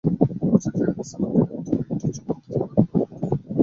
এ বছর জয়া আহসান অভিনীত কয়েকটি ছবি মুক্তি পাবে কলকাতায়।